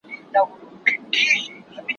غلبېل کوزې ته ول سورۍ.